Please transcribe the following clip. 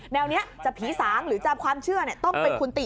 แนวนี้จะผีสางหรือจะความเชื่อต้องเป็นคุณติ